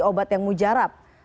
obat yang mujarab